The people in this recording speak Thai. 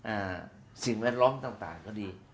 อ่าสิ่งแวดล้อมต่างก็ดี